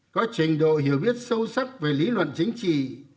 có trình độ hiểu biết sâu sắc về lý luận chính trị